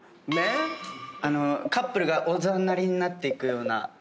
あのカップルがおざなりになっていくような。